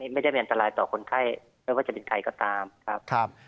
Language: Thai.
ไม่ได้เป็นอันตรายต่อคนไข้ไม่ว่าจะเป็นใครก็ตามครับ